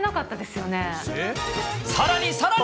さらにさらに。